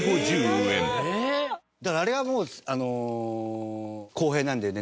だからあれはもう公平なんだよね